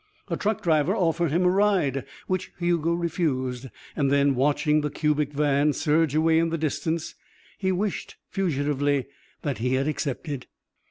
A truck driver offered him a ride, which Hugo refused, and then, watching the cubic van surge away in the distance, he wished fugitively that he had accepted.